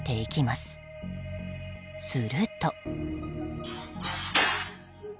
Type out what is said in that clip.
すると。